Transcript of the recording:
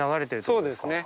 そうですね。